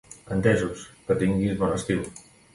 Entesos. Que tinguis bon estiu!